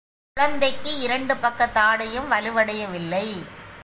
குழந்தைக்கு இரண்டு பக்கத் தாடையும் வலுவடைய வில்லை.